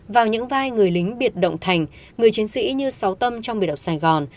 vào những vai người lính biệt động thành người chiến sĩ như sáu tâm trong biệt động sài gòn